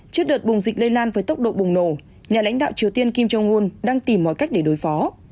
trước đợt bùng dịch lây lan với tốc độ bùng nổ nhà lãnh đạo triều tiên kim jong un đang tìm mọi cách để đối phó